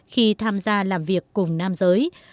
khi tham gia làm việc cùng nam giới